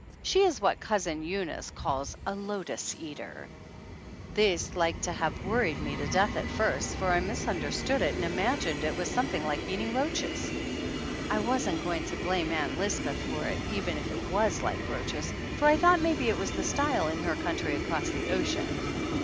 She is what Cousin Eunice calls a "lotus 43 THE ANNALS OF ANN eater." This like to have worried me to death at first, for I misunderstood it and imagined it was something like eating roaches. I wasn't go ing to blame Ann Lisbeth for it even if it was like roaches, for I thought maybe it was the style in her country across the ocean.